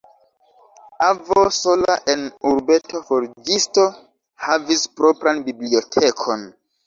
Avo, sola en urbeto forĝisto, havis propran bibliotekon.